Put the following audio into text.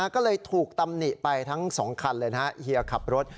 ก็เลยถูกตำหนิไปทั้ง๒คันเลยนะฮะเฮียขับรถ